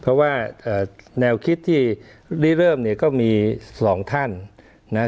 เพราะว่าแนวคิดที่ได้เริ่มเนี่ยก็มีสองท่านนะฮะ